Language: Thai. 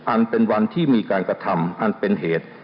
อันเป็นวันที่มีการกระทำอันเป็นเหตุ